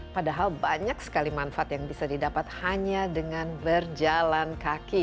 padahal banyak sekali manfaat yang bisa didapat hanya dengan berjalan kaki